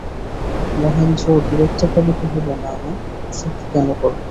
মহেন্দ্র বিরক্তভাবে কহিল, না মা, অসুখ কেন করবে।